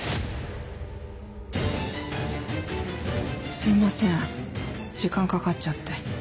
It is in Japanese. すいません時間かかっちゃって。